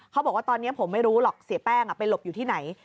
เขาบอกว่าตอนนี้ผมไม่รู้หรอกเสียแป้งไปหลบอยู่ที่ไหน